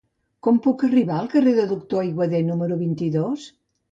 Com puc arribar al carrer del Doctor Aiguader número vint-i-dos?